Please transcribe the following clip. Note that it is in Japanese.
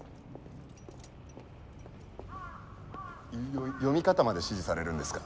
よ読み方まで指示されるんですか？